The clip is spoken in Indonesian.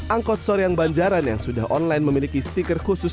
angkot soreang banjaran yang sudah online memiliki stiker khusus